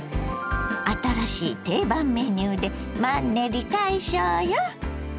新しい定番メニューでマンネリ解消よ。